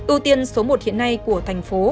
ưu tiên số một hiện nay của thành phố